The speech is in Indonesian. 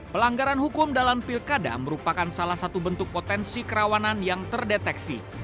pelanggaran hukum dalam pilkada merupakan salah satu bentuk potensi kerawanan yang terdeteksi